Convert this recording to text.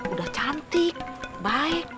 udah cantik baik